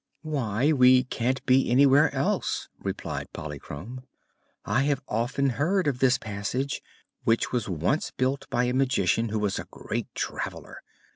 "Why, we can t be anywhere else," replied Polychrome. "I have often heard of this passage, which was once built by a Magician who was a great traveler.